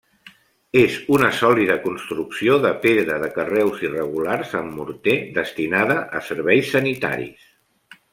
És una sòlida construcció de pedra de carreus irregulars amb morter, destinada a serveis sanitaris.